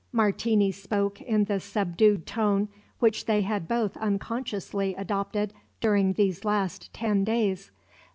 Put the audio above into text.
Martini spoke in the subdued tone which they had both unconsciously adopted during these last ten days.